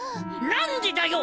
何でだよ！